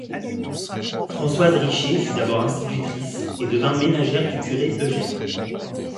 Françoise Richer fut d'abord institutrice et devint ménagère du curé Eugène.